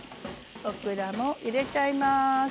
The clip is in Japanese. オクラも入れちゃいます。